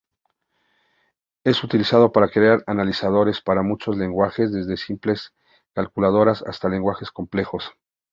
Es utilizado para crear analizadores para muchos lenguajes, desde simples calculadoras hasta lenguajes complejos.